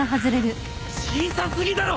小さすぎだろ！